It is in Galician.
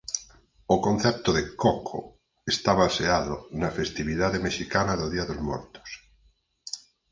O concepto de "Coco" está baseado na festividade mexicana do día dos mortos.